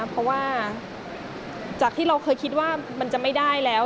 เพราะว่าจากที่เราเคยคิดว่ามันจะไม่ได้แล้ว